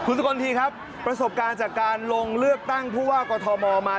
สกลทีครับประสบการณ์จากการลงเลือกตั้งผู้ว่ากอทมมา